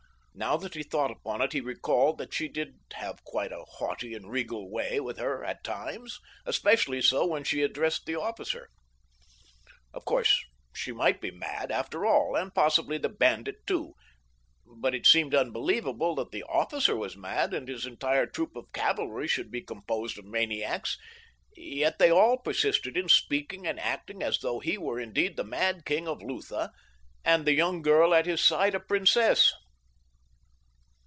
Now that he thought upon it he recalled that she did have quite a haughty and regal way with her at times, especially so when she had addressed the officer. Of course she might be mad, after all, and possibly the bandit, too, but it seemed unbelievable that the officer was mad and his entire troop of cavalry should be composed of maniacs, yet they all persisted in speaking and acting as though he were indeed the mad king of Lutha and the young girl at his side a princess.